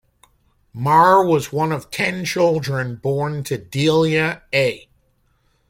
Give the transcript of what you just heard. Maher was one of ten children born to Delia A.